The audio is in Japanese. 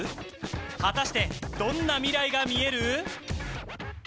果たしてどんな未来がみえる？